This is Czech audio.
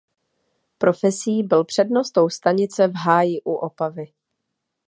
Profesí byl přednostou stanice v Háji u Opavy.